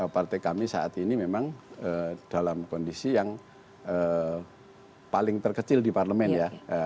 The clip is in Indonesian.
partai kami saat ini memang dalam kondisi yang paling terkecil di parlemen ya